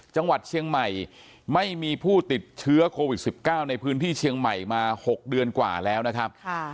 จังหวัดเชียงใหม่ไม่มีผู้ติดเชื้อโควิด๑๙ในพื้นที่เชียงใหม่มา๖เดือนกว่าแล้วนะครับ